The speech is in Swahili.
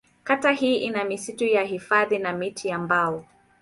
Kata hii ina misitu ya hifadhi na miti ya mbao.